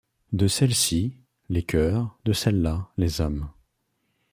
De celles-ci, les cœurs, de celles-là, les âmes